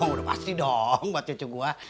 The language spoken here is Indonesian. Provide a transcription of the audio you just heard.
wah udah pasti dong buat cucu gue